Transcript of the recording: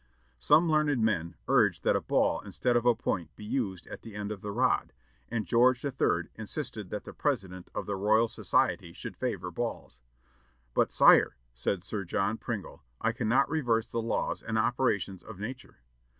Some learned men urged that a ball instead of a point be used at the end of the rod, and George III. insisted that the president of the Royal Society should favor balls. "But, sire," said Sir John Pringle, "I cannot reverse the laws and operations of nature."